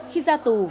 khi ra tù